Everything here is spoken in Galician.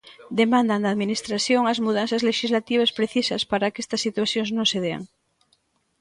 Demandan da administración as mudanzas lexislativas precisas para que estas situacións non se dean.